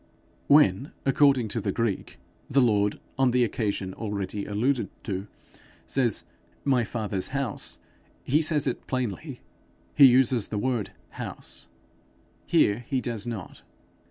When, according to the Greek, the Lord, on the occasion already alluded to, says 'my father's house,' he says it plainly; he uses the word house: here he does not.